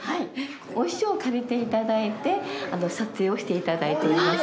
お衣装を借りていただいて撮影をしていただいております。